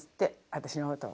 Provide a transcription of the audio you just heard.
私のことを。